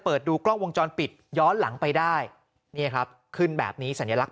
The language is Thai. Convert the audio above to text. เปิดดูกล้องวงจรปิดย้อนหลังไปได้นี่ครับขึ้นแบบนี้สัญลักษ